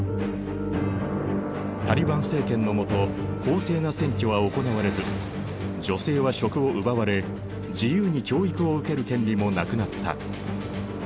タリバン政権の下公正な選挙は行われず女性は職を奪われ自由に教育を受ける権利もなくなった。